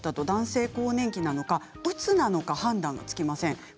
男性更年期なのか、うつなのか判断がつきません。